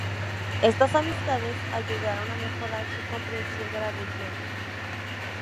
Estas amistades ayudaron a mejorar su comprensión de la región.